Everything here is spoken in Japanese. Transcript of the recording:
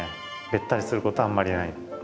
べったりすることあんまりない。